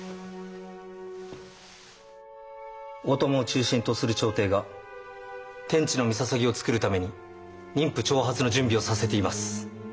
大友を中心とする朝廷が天智の山陵を造るために人夫徴発の準備をさせています。